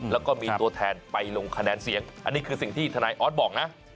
แล้วก็มีตัวแทนไปลงคะแนนเสียงอันนี้คือสิ่งที่ทนายออสบอกนะ